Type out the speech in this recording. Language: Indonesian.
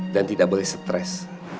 dan tidak boleh stres